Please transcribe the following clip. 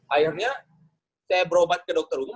akhirnya saya berobat ke dokter umum